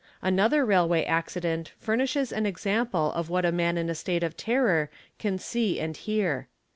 Another railway ac : cident furnishes an example of what a man in a state of terror can see and hear.